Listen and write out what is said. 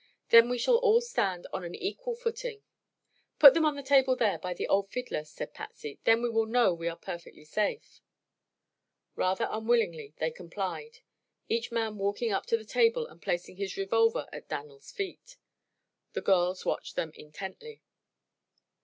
Then we shall all stand on an equal footing." "Put them on the table there, by the old fiddler," said Patsy; "then we will know we are perfectly safe." Rather unwillingly they complied, each man walking up to the table and placing his revolver at Dan'l's feet. The girls watched them intently.